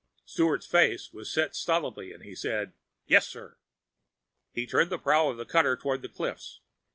Sturt's face set stolidly and he said, "Yes, sir." He turned the prow of the cutter toward the cliffs.